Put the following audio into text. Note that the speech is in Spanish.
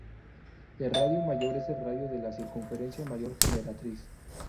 El radio mayor es el radio de la circunferencia mayor generatriz.